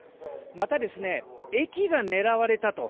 また、駅が狙われたと。